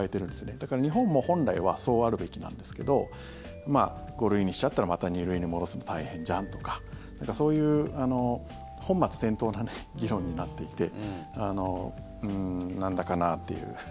だから、日本も本来はそうあるべきなんですけど５類にしちゃったらまた２類に戻すの大変じゃんとかそういう本末転倒な議論になっていてなんだかなあっていう。